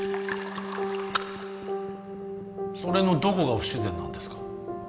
それのどこが不自然なんですか？